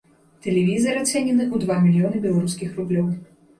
Тэлевізар ацэнены ў два мільёны беларускіх рублёў.